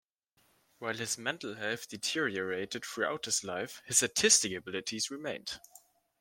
While his mental health deteriorated throughout his life, his artistic abilities remained.